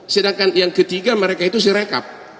sedangkan yang ketiga mereka itu serekap